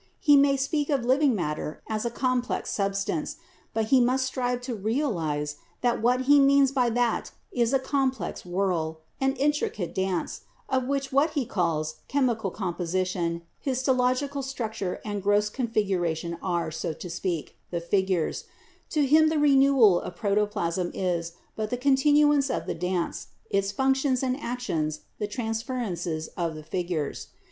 He may speak of living matter as a complex substance, but he must strive to realize that what he means by that is a complex whirl, an intricate dance, of which what he calls chemical composition, histological structure and gross configuration are, so to speak, the figures ; to him the renewal of protoplasm is but the continuance of the dance, its functions and actions the transferences of the figures.